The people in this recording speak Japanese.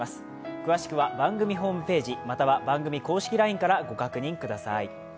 詳しくは番組公式ホームページまたは公式ＬＩＮＥからご確認ください。